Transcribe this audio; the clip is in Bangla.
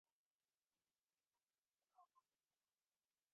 এটা সত্যিই লেক্স লুথরের জন্য?